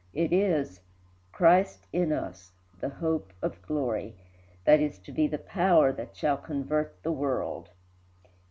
It is "Christ in us, the hope of glory," that is to be the power that shall convert the world.